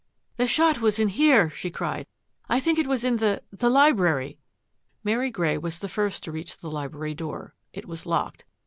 " The shot was not in here," she cried. " I think it was in the — the library." Mary Grey was the first to reach the library door. It was locked.